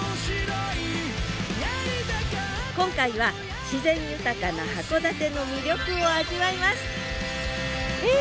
今回は自然豊かな函館の魅力を味わいますえ！